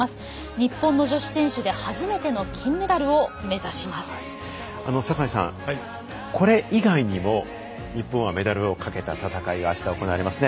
日本の女子選手で初めての坂井さんこれ以外にも日本はメダルをかけた戦いがあした行われますね。